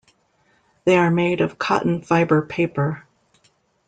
They are made of cotton fibre paper.